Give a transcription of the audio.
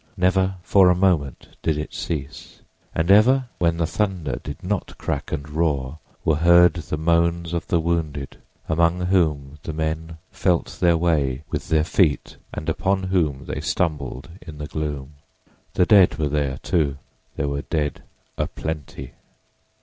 Never for a moment did it cease, and ever when the thunder did not crack and roar were heard the moans of the wounded among whom the men felt their way with their feet, and upon whom they stumbled in the gloom. The dead were there, too—there were dead a plenty.